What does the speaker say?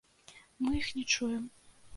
Мы іх не чуем.